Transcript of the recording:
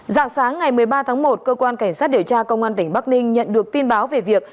dạng sáng ngày một mươi ba tháng một cơ quan cảnh sát điều tra công an tỉnh bắc ninh nhận được tin báo về việc